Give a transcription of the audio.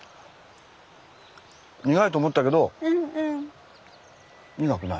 苦いと思ったけど苦くない。